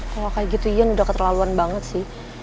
kalo kayak gitu ian udah keterlaluan banget sih